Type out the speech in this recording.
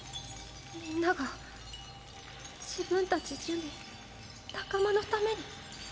みんなが自分たち珠魅仲間のために。